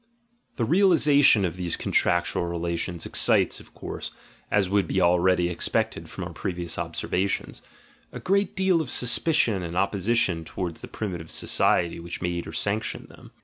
The realisation of these contractual relations excites, of course (as would be already expected from our previ ous observations), a great deal of suspicion and opposi tion towards the primitive society which made or sanc tioned them.